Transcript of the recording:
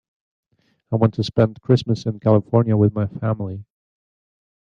I want to spend Christmas in California with my family.